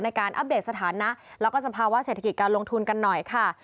ในการอัพเดทสถานะและการสภาวะเศรษฐกิจการลงทุนกันหน่อยค่ะ